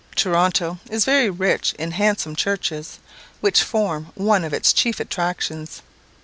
Toronto is very rich in handsome churches, which form one of its chief attractions.